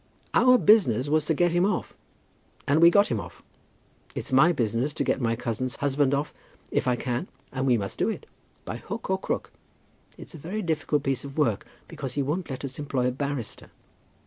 "Our business was to get him off, and we got him off. It's my business to get my cousin's husband off, if I can, and we must do it, by hook or crook. It's a very difficult piece of work, because he won't let us employ a barrister.